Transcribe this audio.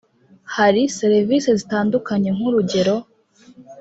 Haari serivisi zitandukanye nk'urugero